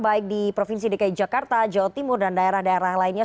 baik di provinsi dki jakarta jawa timur dan daerah daerah lainnya